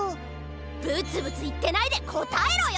ブツブツいってないでこたえろよ！